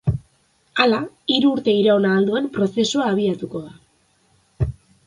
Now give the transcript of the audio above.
Hala, hiru urte iraun ahal duen prozesua abiatuko da.